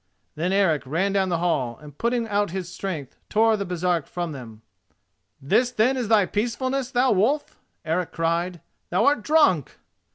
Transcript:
Then Eric ran down the hall, and, putting out his strength, tore the Baresark from them. "This then is thy peacefulness, thou wolf!" Eric cried. "Thou art drunk!"